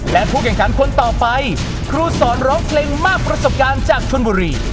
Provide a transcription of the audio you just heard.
และผู้แข่งขันคนต่อไปครูสอนร้องเพลงมากประสบการณ์จากชนบุรี